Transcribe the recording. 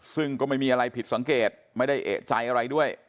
ซึ่งก็ไม่มีอะไรผิดสังเกตไม่ได้เอกใจอะไรด้วย